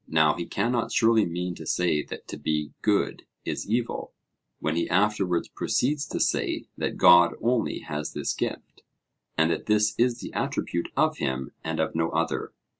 Now he cannot surely mean to say that to be good is evil, when he afterwards proceeds to say that God only has this gift, and that this is the attribute of him and of no other.